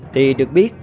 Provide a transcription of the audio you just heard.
thì được biết